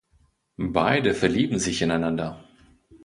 Beide verlieben sich ineinander.